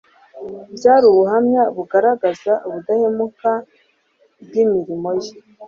byari ubuhamya bugaragaza ubudakemwa bw’imirimo ye